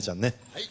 はい。